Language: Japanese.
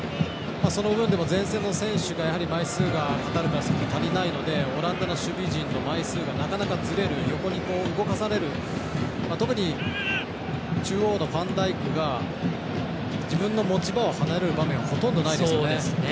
その部分でも前線の選手が枚数はカタールからすると足りないのでオランダの守備陣の枚数がなかなかズレる、横に動かされる特に中央のファンダイクが自分の持ち場を離れる場面はほとんどないですもんね。